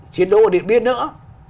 chiến đấu điện biên nữa